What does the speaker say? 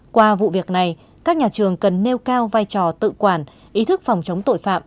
qua vụ việc này các nhà trường cần nêu cao vai trò tự quản ý thức phòng chống tội phạm